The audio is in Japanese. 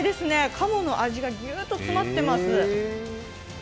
かもの味がギュッと詰まってます。